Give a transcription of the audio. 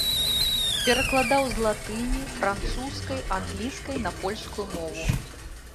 Перакладаў з латыні, французскай, англійскай на польскую мову.